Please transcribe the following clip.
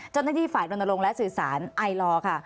เจ้าหน้าที่ฝ่ายลงและสื่อสารไอลอค่ะ